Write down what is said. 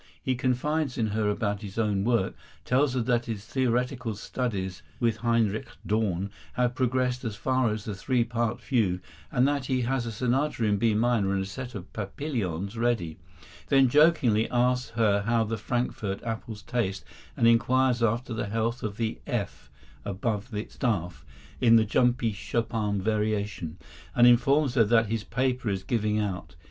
He confides in her about his own work, tells her that his theoretical studies (with Heinrich Dorn) have progressed as far as the three part fugue; and that he has a sonata in B minor and a set of "Papillons" ready; then jokingly asks her how the Frankfort apples taste and inquires after the health of the F above the staff in the "jumpy Chopin variation," and informs her that his paper is giving out.